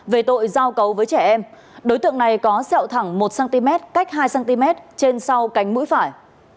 về tội giao cấu với trẻ em đối tượng này có sẹo thẳng một cm cách hai cm trên sau cánh mũi phải